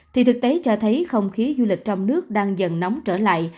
thì thực tế cho thấy không khí du lịch trong nước đang dần nóng trở lại